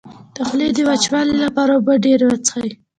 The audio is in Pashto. د خولې د وچوالي لپاره اوبه ډیرې وڅښئ